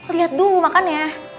lihat dulu makanya